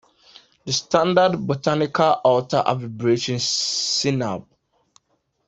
The standard botanical author abbreviation Seneb.